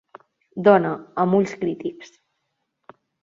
Dona, amb ulls crítics.